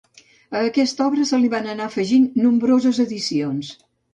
A aquesta obra se li van anar afegint nombroses edicions.